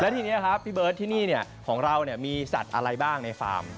ทีนี้ครับพี่เบิร์ตที่นี่ของเรามีสัตว์อะไรบ้างในฟาร์ม